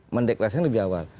mendeklarasikan lebih awal